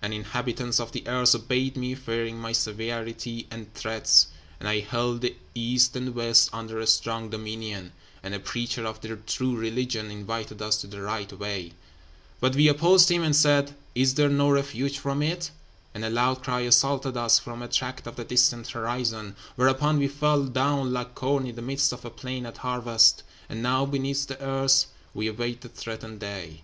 The inhabitants of the earth obeyed me, fearing my severity and threats; And I held the east and west under a strong dominion. And a preacher of the true religion invited us to the right way; But we opposed him, and said, Is there no refuge from it? And a loud cry assaulted us from a tract of the distant horizon; Whereupon we fell down like corn in the midst of a plain at harvest; And now, beneath the earth, we await the threatened day.'